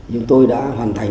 chúng tôi đã hoàn thành